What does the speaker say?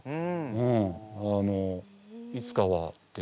うんあのいつかはって。